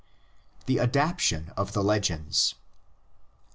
THE ADAPTATION OF THE LEGENDS.